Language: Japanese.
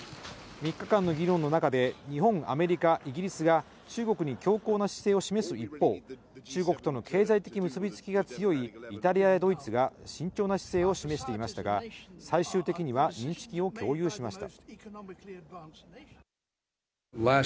３日間の議論の中で日本、アメリカ、イギリスが中国に強硬な姿勢を示す一方、中国との経済的結びつきが強いイタリアやドイツが慎重な姿勢を示していましたが最終的には認識を共有しました。